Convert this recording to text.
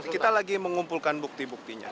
kita lagi mengumpulkan bukti buktinya